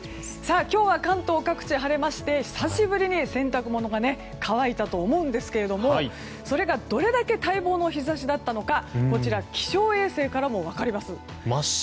今日は関東各地晴れまして久しぶりに洗濯物が乾いたと思うんですけどもそれがどれだけ待望の日差しだったのか気象衛星からも分かります。